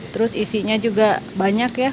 terus isinya juga banyak ya